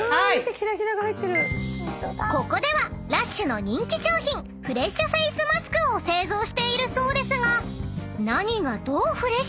［ここではＬＵＳＨの人気商品フレッシュフェイスマスクを製造しているそうですが何がどうフレッシュなのか？］